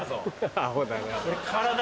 アホだな。